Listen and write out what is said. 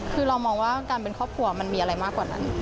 คือเรามองว่าการเป็นครอบครัวมันมีอะไรมากกว่านั้น